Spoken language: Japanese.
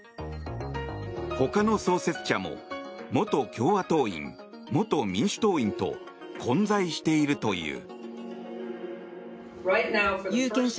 他の創設者も元共和党員、元民主党員と混在しているという。